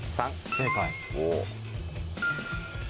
正解。